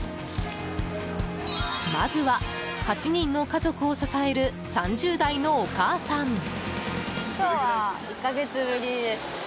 まずは８人の家族を支える３０代のお母さん。